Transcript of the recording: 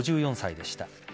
５４歳でした。